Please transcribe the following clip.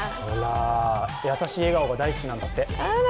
優しい笑顔が大好きなんだって。